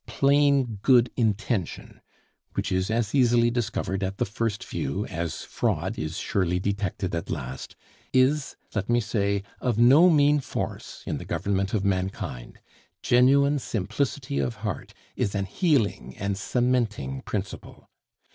Plain good intention, which is as easily discovered at the first view as fraud is surely detected at last, is, let me say, of no mean force in the government of mankind. Genuine simplicity of heart is an healing and cementing principle.